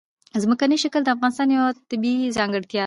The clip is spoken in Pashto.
ځمکنی شکل د افغانستان یوه طبیعي ځانګړتیا ده.